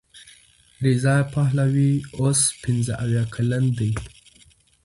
رضا پهلوي اوس پنځه اویا کلن دی.